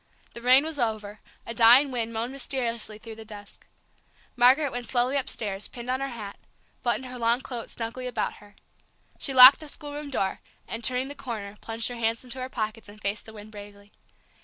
The rain was over; a dying wind moaned mysteriously through the dusk. Margaret went slowly upstairs, pinned on her hat, buttoned her long coat snugly about her. She locked the schoolroom door, and, turning the corner, plunged her hands into her pockets, and faced the wind bravely.